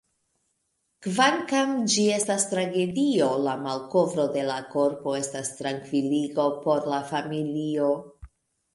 Kvankam ĝi estas tragedio, la malkovro de la korpo estas trankviligo por la familio.